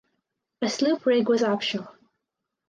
A sloop rig was optional.